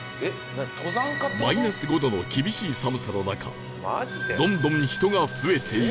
マイナス５度の厳しい寒さの中どんどん人が増えていき